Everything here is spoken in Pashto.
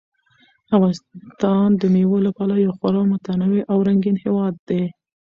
افغانستان د مېوو له پلوه یو خورا متنوع او رنګین هېواد دی.